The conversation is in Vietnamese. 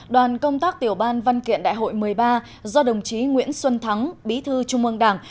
đoàn công tác tiểu ban văn kiện đại hội một mươi ba do đồng chí nguyễn xuân thắng bí thư trung ương đảng